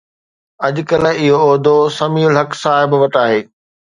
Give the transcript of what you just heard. اڄڪلهه اهو عهدو سميع الحق صاحب وٽ آهي.